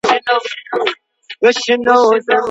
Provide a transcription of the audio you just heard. وترنري پوهنځۍ بې اسنادو نه ثبت کیږي.